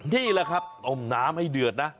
นี่แหละครับต้มน้ำให้เดือดนะ